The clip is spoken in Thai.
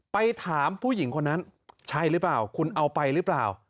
ไปถามผู้หญิงคนนั้นใช่หรือเปล่าคุณเอาไปหรือเปล่า